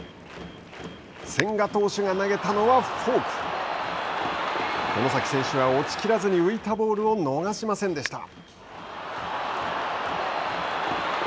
千賀投手が投げたのはフォーク外崎選手は落ちきらずに浮いたボールを逃しませんでした。